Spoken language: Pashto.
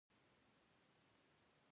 افغاني کالي ولې مشهور دي؟